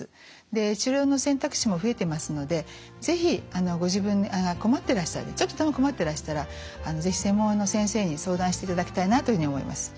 治療の選択肢も増えていますので是非ちょっとでも困ってらしたら是非専門の先生に相談していただきたいなというふうに思います。